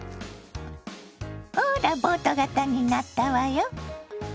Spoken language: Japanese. ほらボート型になったわよ。